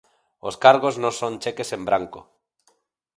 Os cargos non son cheques en branco.